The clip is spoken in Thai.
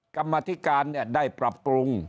กรรมธิการได้ปรับปรุง